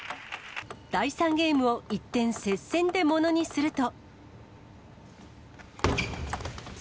第３ゲームを一転、接戦でものにすると。